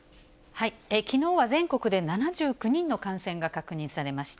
きのうは全国で７９人の感染が確認されました。